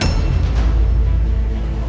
dan satu lagi